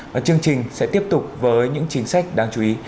và chương trình sẽ tiếp tục với những chính sách đáng chú ý